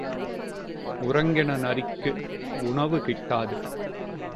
உறங்கின நரிக்கு உணவு கிட்டாது.